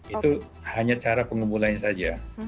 itu hanya cara pengumpulannya saja